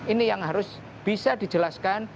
ini yang harus bisa dijelaskan